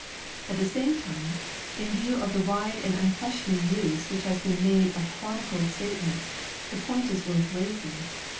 At the same time, in view of the wide and unquestioning use which has been made of Chronicle statements, the point is worth raising.